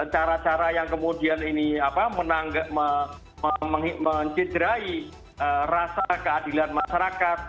cara cara yang kemudian ini apa menanggap mencenderai rasa keadilan masyarakat